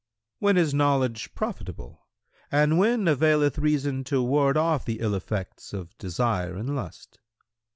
Q "When is knowledge profitable and when availeth reason to ward off the ill effects of desire and lust?"